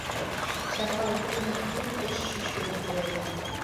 Чарла воктене йӱр пеш чӱчкыдын толеден.